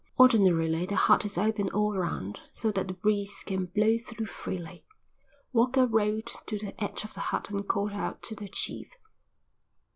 Ordinarily the hut is open all round so that the breeze can blow through freely. Walker rode to the edge of the hut and called out to the chief.